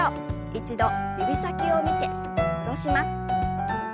一度指先を見て戻します。